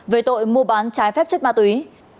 về tội mua bán trái phép chất ma túy